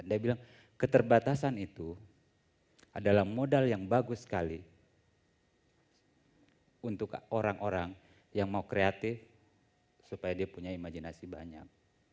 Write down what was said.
dia bilang keterbatasan itu adalah modal yang bagus sekali untuk orang orang yang mau kreatif supaya dia punya imajinasi banyak